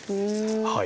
はい。